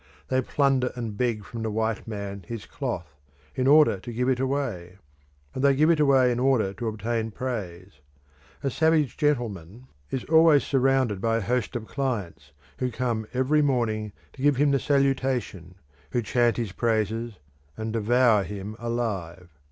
They plunder and beg from the white man his cloth, in order to give it away; and they give it away in order to obtain praise. A savage gentleman is always surrounded by a host of clients, who come every morning to give him the salutation, who chant his praises and devour him alive.